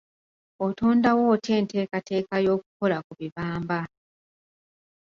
Otondawo otya enteekateeka y'okukola ku bibamba?